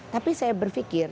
tapi saya berpikir